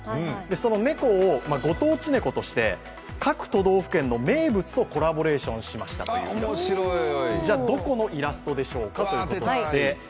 その猫を、ご当地ネコとして各都道府県の名物とコラボレーションしましたどこのイラストでしょうかということで。